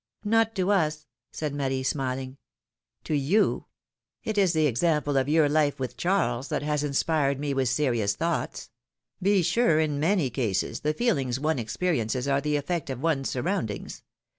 '' ^^Not to us !" said Marie, smiling. To you ! It is the example of your life with Charles, that has inspired me with serious thoughts; be sure, in many cases, the feelings one experiences are the eifect of one's surroundings.